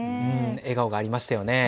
笑顔がありましたよね。